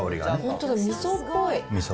本当だ、みそっぽい。